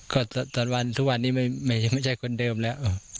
ก็ตอนวันทุกวันนี้ไม่ใช่คนเดิมแล้ว